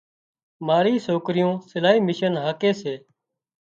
ماري سوڪريون سلائي مِشين هاڪي سي